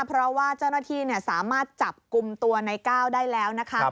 เพราะว่าเจ้าหน้าที่สามารถจับกลุ่มตัวในก้าวได้แล้วนะคะ